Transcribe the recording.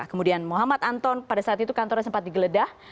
kemudian muhammad anton pada saat itu kantornya sempat digeledah